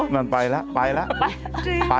มันไปและไปและ